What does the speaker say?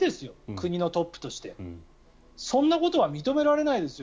国のトップとしてそんなことは認められないですよ